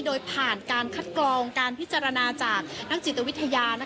โดยผ่านการคัดกรองการพิจารณาจากนักจิตวิทยา